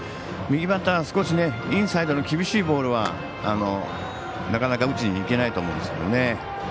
右バッターが少しインサイドの厳しいボールはなかなか打ちにいけないと思うんですけどね。